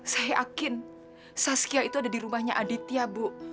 saya yakin saskia itu ada di rumahnya aditya bu